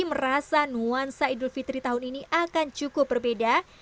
merasa nuansa idul fitri tahun ini akan cukup berbeda